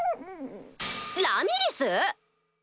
ラミリス⁉